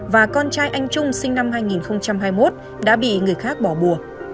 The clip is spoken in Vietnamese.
và con trai anh trung sinh năm hai nghìn hai mươi một đã bị người khác bỏ bùa